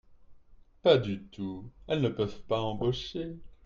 Pas du tout, elles ne peuvent pas embaucher.